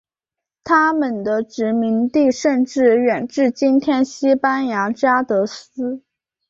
他们的殖民地甚至远至今天西班牙加的斯。